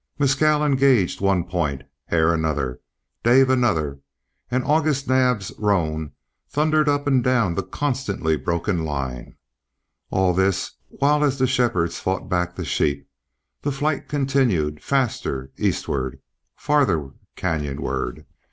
Mescal engaged one point, Hare another, Dave another, and August Naab's roan thundered up and down the constantly broken line. All this while as the shepherds fought back the sheep, the flight continued faster eastward, farther canyonward.